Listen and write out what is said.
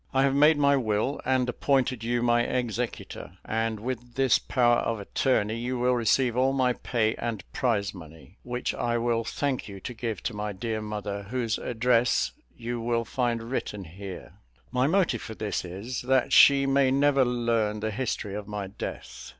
I have made my will, and appointed you my executor; and with this power of attorney you will receive all my pay and prize money, which I will thank you to give to my dear mother, whose address you will find written here. My motive for this is, that she may never learn the history of my death.